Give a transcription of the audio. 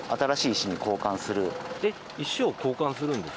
石を交換するんですか？